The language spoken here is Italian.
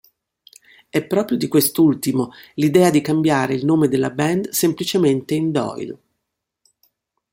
È proprio di quest'ultimo l'idea di cambiare il nome della band semplicemente in Doyle.